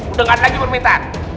udah nggak ada lagi permintaan